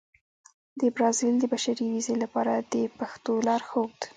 د برازيل د بشري ویزې لپاره د پښتو لارښود